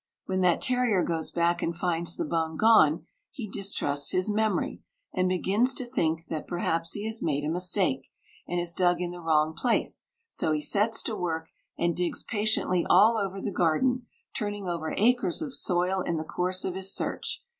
When that terrier goes back and finds the bone gone, he distrusts his memory, and begins to think that perhaps he has made a mistake, and has dug in the wrong place; so he sets to work, and digs patiently all over the garden, turning over acres of soil in the course of his search.